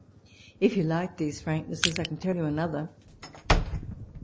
If you like these franknesses, I can tell you another.